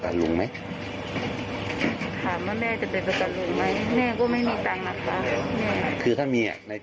แล้วโทษลุงไหมครับแล้วก็อโหสกรรมให้ลุงไหม